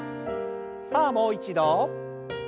さあもう一度。